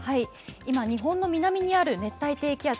今、日本の南にある熱帯低気圧。